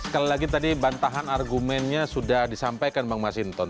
sekali lagi tadi bantahan argumennya sudah disampaikan bang masinton